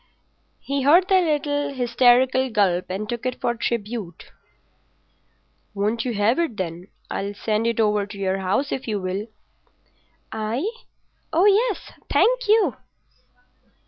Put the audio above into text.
He heard the little hysterical gulp and took it for tribute. "Won't you have it, then? I'll send it over to your house if you will." "I? Oh yes—thank you.